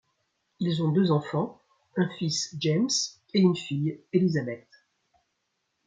Ils ont deux enfants un fils - James - et une fille - Elizabeth.